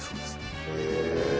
へえ！